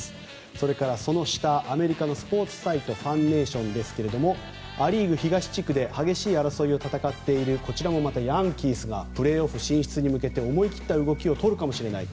それからその下アメリカのスポーツサイトファンネーションですがア・リーグ東地区で激しい争いを戦っているこちらもまた、ヤンキースがプレーオフ進出に向けて思いきった動きを取るかもしれない。